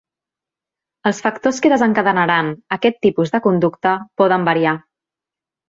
Els factors que desencadenaran aquest tipus de conducta poden variar.